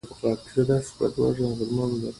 ډیپلوماسي د مذاکراتو له لارې ستونزې حلوي.